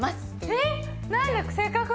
えっ